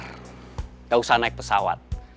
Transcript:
tidak usah naik pesawat